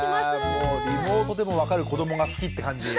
リモートでも分かる子どもが好きって感じ。